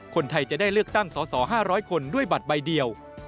คนไทยจะได้เลือกตั้งสอสอ๕๐๐คนด้วยบัตรใบเดียว